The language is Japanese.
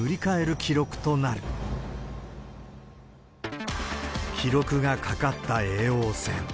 記録が懸かった叡王戦。